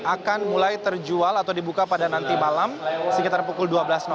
akan mulai terjual atau dibuka pada nanti malam sekitar pukul dua belas